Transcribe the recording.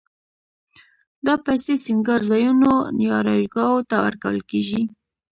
دا پیسې سینګارځایونو یا آرایشګاوو ته ورکول کېږي